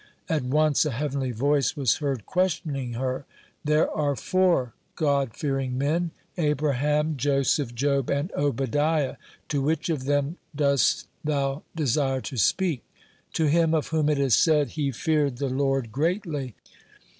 At once a heavenly voice was heard questioning her: "There are four God fearing men, Abraham, Joseph, Job, and Obadiah. To which of them does thou desire to speak?" "To him of whom it is said, "He feared the Lord greatly.'"